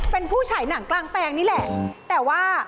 เป็นผู้ฉายหนังกลางแปลงนี่แหละแต่ว่า